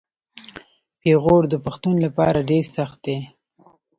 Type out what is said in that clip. پېغور د پښتون لپاره ډیر سخت دی.